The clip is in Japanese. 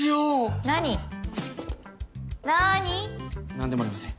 何でもありません。